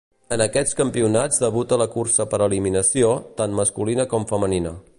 En aquests campionats debuta la cursa per eliminació, tant masculina com femenina.